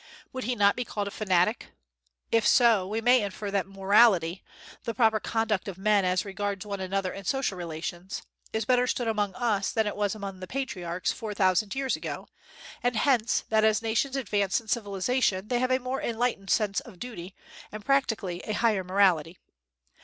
Would he not be called a fanatic? If so, we may infer that morality the proper conduct of men as regards one another in social relations is better understood among us than it was among the patriarchs four thousand years ago; and hence, that as nations advance in civilization they have a more enlightened sense of duty, and practically a higher morality.